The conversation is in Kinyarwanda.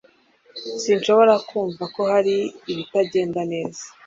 Sinshobora kumva ko hari ibitagenda neza.